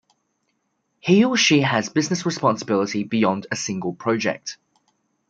He or she has business responsibility beyond a single project.